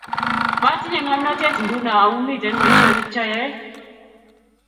Matinye komnatet nguno amu miten boisionik chayae